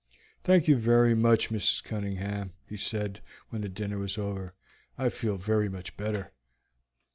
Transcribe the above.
"Thank you very much, Mrs. Cunningham," he said, when the dinner was over. "I feel very much better."